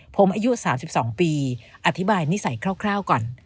ผมอายุ๓๒ปีอธิบายนิสัยคร่าวก่อน